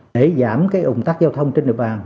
để giảm cái ủng tắc giao thông trên địa bàn